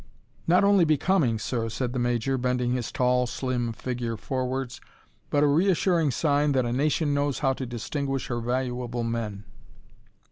"Not only becoming, Sir," said the Major, bending his tall, slim figure forwards. "But a reassuring sign that a nation knows how to distinguish her valuable men."